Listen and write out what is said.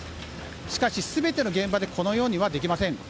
しかし、全ての現場でこのようにはできません。